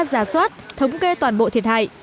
giả soát thống kê toàn bộ thiệt hại